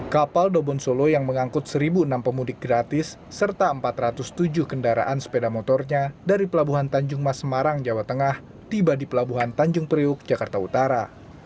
kapal dobon solo yang mengangkut satu enam pemudik gratis serta empat ratus tujuh kendaraan sepeda motornya dari pelabuhan tanjung mas semarang jawa tengah tiba di pelabuhan tanjung priuk jakarta utara